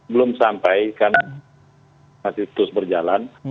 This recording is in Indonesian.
belum sampai karena masih terus berjalan